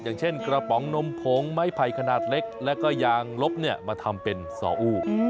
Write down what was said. อย่างเช่นกระป๋องนมผงไม้ไผ่ขนาดเล็กแล้วก็ยางลบมาทำเป็นซออู้